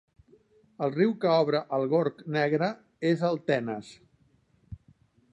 El riu que obre el Gorg Negre és el Tenes.